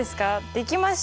できました！